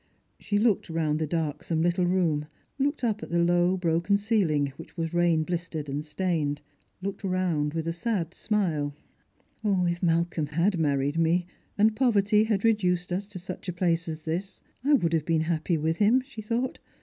" She looked round the darksome little room — looked up at the low broken ceiling, which was rain bKstered and stained — looked roimd with a sad smile. " If Malcolm had married me, and poverty had reduced us to Buch place as this, I would have been happy with him," she thought.